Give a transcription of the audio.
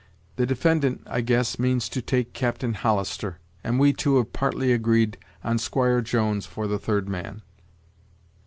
The defendant, I guess, means to take Captain Hollister, and we two have partly agreed on Squire Jones for the third man."